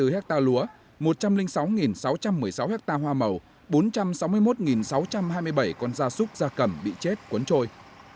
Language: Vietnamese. chín trăm hai mươi bốn hectare lúa một trăm linh sáu sáu trăm một mươi sáu hectare hoa màu bốn trăm sáu mươi một sáu trăm hai mươi bảy con da súc da cầm bị chết cuốn trôi